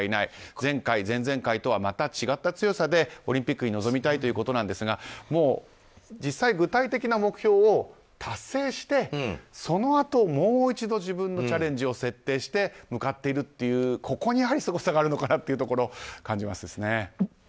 前回、前々回とはまた違った強さでオリンピックに臨みたいということなんですがもう具体的な目標を達成してそのあと、もう一度自分のチャレンジを設定して向かっているというここに、すごさがあるのかなというのを感じましたね。